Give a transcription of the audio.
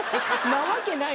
なわけない。